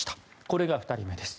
これが２人目です。